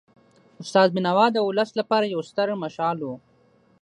استاد بینوا د ولس لپاره یو ستر مشعل و.